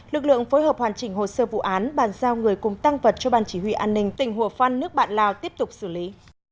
lực lượng phối hợp hoàn chỉnh hồ sơ vụ án bàn giao người cùng tăng vật cho ban chỉ huy an ninh tỉnh hùa phân nước bạn lào tiếp tục xử lý